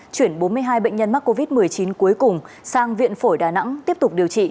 chuyển bốn mươi hai bệnh nhân mắc covid một mươi chín cuối cùng sang viện phổi đà nẵng tiếp tục điều trị